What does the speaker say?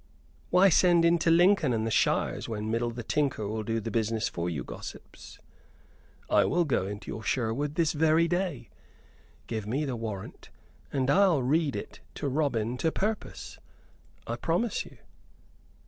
"Why send into Lincoln and the shires when Middle the Tinker will do this business for you, gossips? I will go into your Sherwood this very day. Give me the warrant, and I'll read it to Robin to purpose, I promise you!"